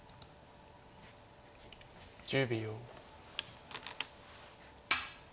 １０秒。